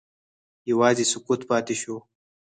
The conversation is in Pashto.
یوازې سکوت پاتې شو.